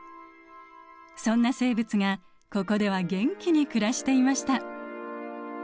そんな生物がここでは元気に暮らしていました。